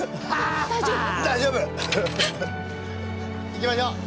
行きましょう！